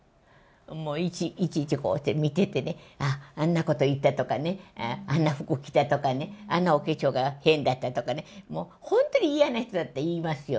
もういちいちこうして見ててね、ああ、あんなこと言ったとかね、あんな服着たとかね、あのお化粧が変だったとかね、もう本当に嫌な人だったら言いますよ。